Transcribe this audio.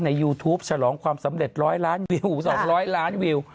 ยูทูปฉลองความสำเร็จ๑๐๐ล้านวิว๒๐๐ล้านวิว